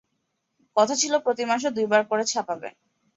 কথা ছিল প্রতি মাসে দুই বার করে ছাপাবে।